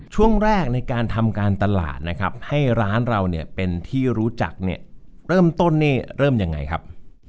ช่วงแรกในการทำการตลาดนะครับให้ร้านเราเนี่ยเป็นที่รู้จักเนี่ยเริ่มต้นนี่เริ่มยังไงครับ